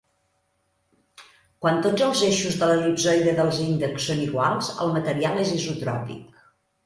Quan tots els eixos de l'el·lipsoide dels índexs són iguals, el material és isotròpic.